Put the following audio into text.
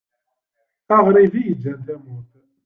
Aɣrib i yeǧǧan tamurt.